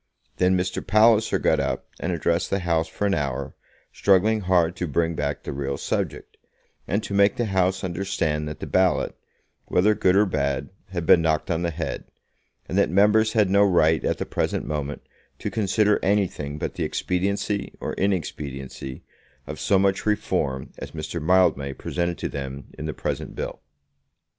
Then Mr. Palliser got up and addressed the House for an hour, struggling hard to bring back the real subject, and to make the House understand that the ballot, whether good or bad, had been knocked on the head, and that members had no right at the present moment to consider anything but the expediency or inexpediency of so much Reform as Mr. Mildmay presented to them in the present bill.